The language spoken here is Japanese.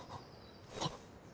あっ。